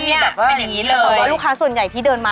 เป็นอย่างนี้เลย